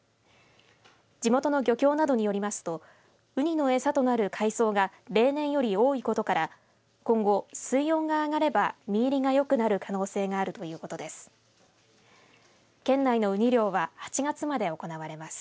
地元の漁協などによりますとウニのエサとなる海藻が例年より多いことから今後、水温が上がれば実入りがよくなる可能性があるということです。